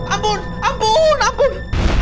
ampun ampun ampun